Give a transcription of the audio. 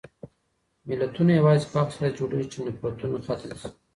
ملتونه یوازې په هغه صورت کې جوړېږي چې نفرتونه ختم شي.